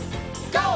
ＧＯ！